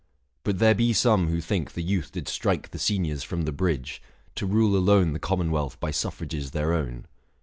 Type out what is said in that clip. But there be some who think the youth did strike 720 The seniors from the bridge, to rule alone The commonwealth by suffrages their own.